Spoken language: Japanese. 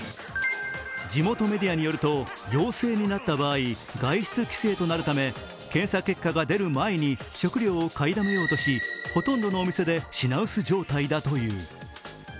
地元メディアによると陽性になった場合、外出規制となるため検査結果が出る前に食料を買いだめようとし、ほとんどのお店で品薄状態だという。